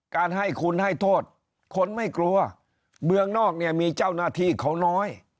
การให้คุณให้โทษคนไม่กลัวเมืองนอกเนี่ยมีเจ้าหน้าที่เขาน้อย